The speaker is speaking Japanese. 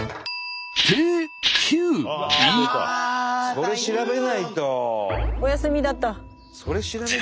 それ調べないと。